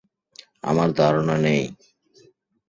আমার ধারণা নেই।